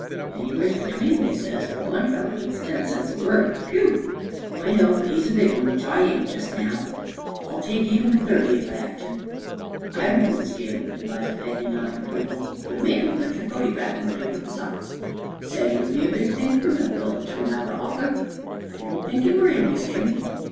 "Anywheres between, they says. But one feller gits ten cents a word. Whew!" "I know; but he's a big one, which I ain't just now. I'll take even the thirty, if I hev to." "I would, Skim," advised Peggy, nodding approval. "But make 'em put yer photygraf in the paper, besides. Say, it'll be a big thing fer Millville to turn out a author. I didn't think it were in you, Skim."